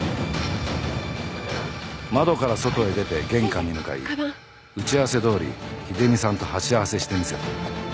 窓から外へ出て玄関に向かい打ち合わせどおり秀美さんと鉢合わせしてみせた。